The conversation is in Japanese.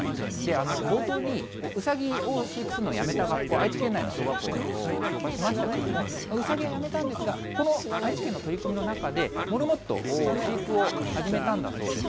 冒頭に、ウサギを飼育するのをやめた学校、愛知県内の小学校、紹介しましたけれども、ウサギはやめたんですが、この愛知県の取り組みの中で、モルモットの飼育を始めたんだそうです。